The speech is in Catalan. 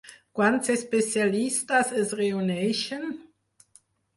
Quants especialistes es reuneixen?